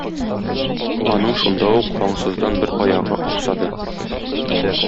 Аның шунда ук аңсыздан бер аягы аксады.